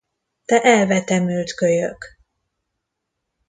Te elvetemült kölyök!